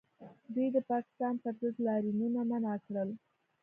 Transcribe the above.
دوی د پاکستان پر ضد لاریونونه منع کړل